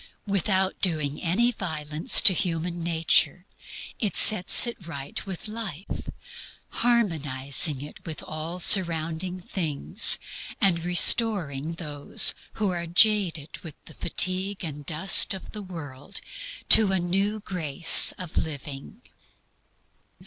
Without doing any violence to human nature it sets it right with life, harmonizing it with all surrounding things, and restoring those who are jaded with the fatigue and dust of the world to a new grace of living.